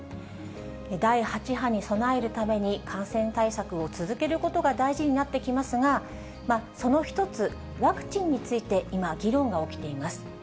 第８波に備えるために、感染対策を続けることが大事になってきますが、その一つ、ワクチンについて今、議論が起きています。